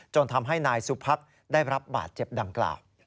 ทำให้นายสุพักได้รับบาดเจ็บดังกล่าว